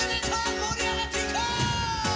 盛り上がっていこう！